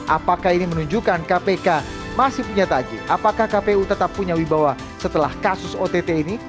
apakah ini menunjukkan kpk masih punya taji apakah kpu tetap punya wibawa setelah kasus ott ini